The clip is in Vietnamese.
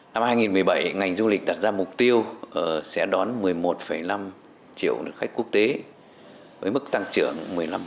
năm hai nghìn một mươi bảy ngành du lịch đặt ra mục tiêu sẽ đón một mươi một năm triệu lượt khách quốc tế với mức tăng trưởng một mươi năm